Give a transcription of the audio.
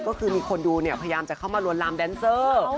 ก็คือมีคนดูเนี่ยพยายามจะเข้ามาลวนลามแดนเซอร์